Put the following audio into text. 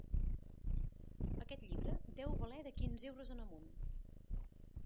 Aquest llibre deu valer de quinze euros en amunt...